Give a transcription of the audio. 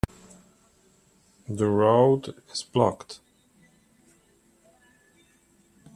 The road is blocked.